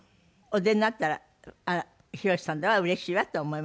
お出になったら「あらヒロシさんだわうれしいわ」って思いますよ。